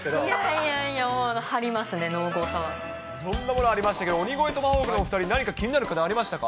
いやいや、いろんなものありましたけど、鬼越トマホークの２人、何か気になる家電ありましたか？